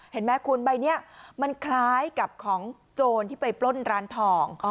เห็นไหมคุณใบนี้มันคล้ายกับของโจรที่ไปปล้นร้านทอง